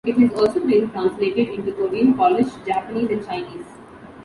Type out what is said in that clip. It has also been translated into Korean, Polish, Japanese, and Chinese.